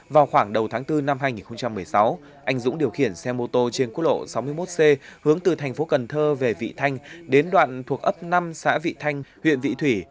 vào khoảng đầu tháng bốn năm hai nghìn một mươi sáu anh dũng điều khiển xe mô tô trên quốc lộ sáu mươi một c hướng từ thành phố cần thơ về vị thanh đến đoạn thuộc ấp năm xã vị thanh huyện vị thủy